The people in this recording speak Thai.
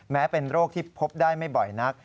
แม้เป็นโรคที่พบได้ไม่บ่อยนัก